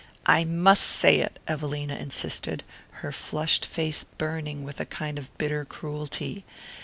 "I must say it," Evelina insisted, her flushed face burning with a kind of bitter cruelty.